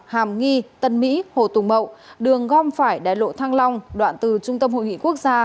hàm nghi tân mỹ hồ tùng mậu đường gom phải đại lộ thăng long đoạn từ trung tâm hội nghị quốc gia